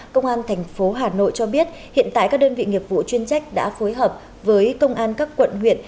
công an thành phố hà nội cho biết hiện tại các đơn vị nghiệp vụ chuyên trách đã phối hợp với công an các quận huyện